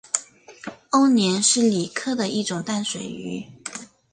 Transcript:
欧鲢是鲤科的一种淡水鱼。